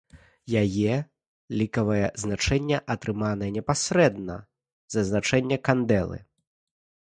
Яе лікавае значэнне атрыманае непасрэдна з азначэння кандэлы.